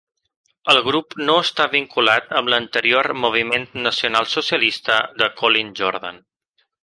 El grup no està vinculat amb l'anterior Moviment Nacional Socialista de Colin Jordan.